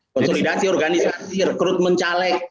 konsolidasi organisasi rekrut mencalek